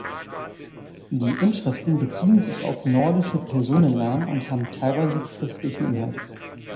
Die Inschriften beziehen sich auf nordische Personennamen und haben teilweise christlichen Inhalt.